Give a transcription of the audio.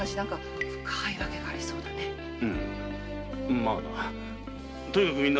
まあな。